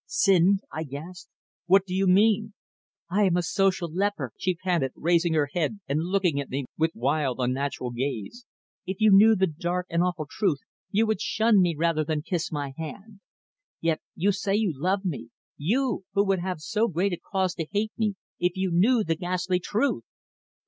"Sinned!" I gasped. "What do you mean?" "I am as a social leper," she panted, raising her head and looking at me with wild, unnatural gaze. "If you knew the dark and awful truth you would shun me rather than kiss my hand. Yet you say you love me you! who would have so great a cause to hate me if you knew the ghastly truth!"